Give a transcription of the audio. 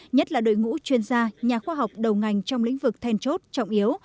nhất là đội ngũ chuyên gia nhà khoa học đầu ngành trong lĩnh vực then chốt trọng yếu